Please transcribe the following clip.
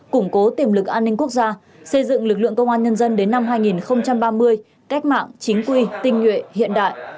củng cố tiềm lực an ninh quốc gia xây dựng lực lượng công an nhân dân đến năm hai nghìn ba mươi cách mạng chính quy tinh nhuệ hiện đại